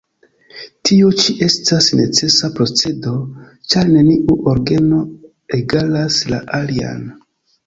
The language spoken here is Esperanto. Tio ĉi estas necesa procedo, ĉar neniu orgeno egalas la alian.